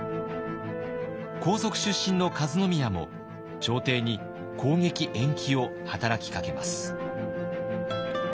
皇族出身の和宮も朝廷に攻撃延期を働きかけます。